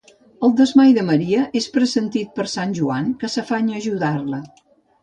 El desmai de Maria és pressentit per sant Joan que s'afanya a ajudar-la.